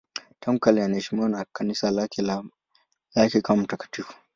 Tangu kale anaheshimiwa na Kanisa lake kama mtakatifu.